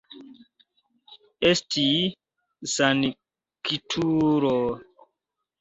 Esti sanktulo!